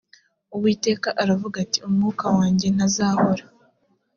uwiteka aravuga ati umwuka wanjye ntazahora